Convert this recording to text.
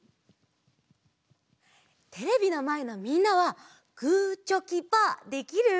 テレビのまえのみんなはグーチョキパーできる？